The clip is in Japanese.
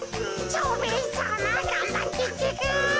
蝶兵衛さまがんばってってか。